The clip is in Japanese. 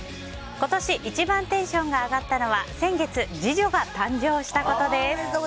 今年一番テンションが上がったのは先月、次女が誕生したことです。